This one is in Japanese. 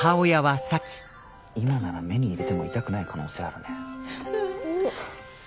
今なら目に入れても痛くない可能性あるね。